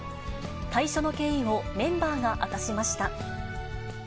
退所の経緯をメンバーが明かしました。